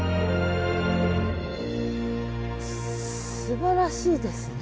すばらしいですね。